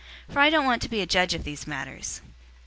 For I don't want to be a judge of these matters."